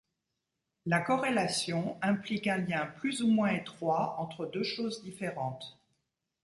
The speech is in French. La corrélation implique un lien plus ou moins étroit entre deux choses différentes.